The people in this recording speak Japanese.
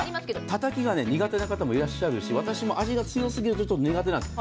たたきが苦手な方もいらっしゃるし、私も味が強すぎると苦手なんです。